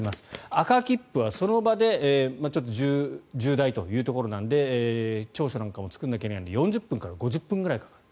赤切符は、その場で重大ということなので調書なんかも作らないといけないので４０分から５０分くらいかかる。